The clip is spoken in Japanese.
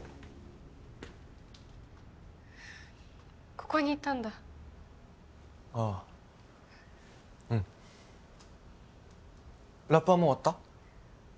ここにいたんだああうんラップはもう終わった？